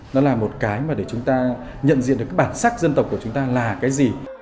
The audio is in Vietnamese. nó là một cái mà để chúng ta nhận diện được cái bản sắc dân tộc của chúng ta là cái gì